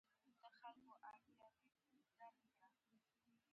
دې پراخې شخړې او بې ثباتۍ وزېږولې.